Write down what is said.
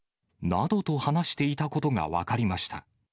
などと話していたことが分かりました。